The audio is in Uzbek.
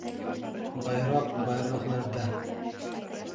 Bayroq — boyroqlarda.